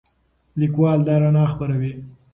لیکوال دا رڼا خپروي.